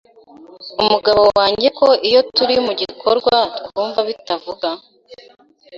umugabo wanjye ko iyo turi mu gikorwa twumva bitavuga,